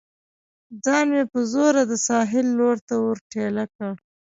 ځان مې په زوره د ساحل لور ته ور ټېله کړ.